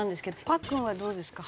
パックンはどうですか？